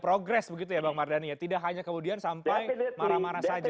progres begitu ya bang mardhani ya tidak hanya kemudian sampai marah marah saja